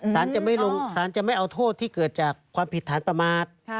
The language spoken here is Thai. สารจะไม่เอาโทษที่เกิดจากความผิดฐานประมาท